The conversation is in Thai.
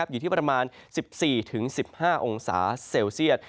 อยู่ที่ประมาณ๑๔๑๕องศาเซลเซียต